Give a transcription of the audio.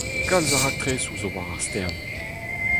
Kalz a raktresoù zo war ar stern.